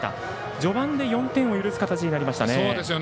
序盤で４点を許す形になりました。